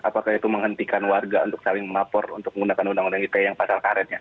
apakah itu menghentikan warga untuk saling melapor untuk menggunakan undang undang ite yang pasal karetnya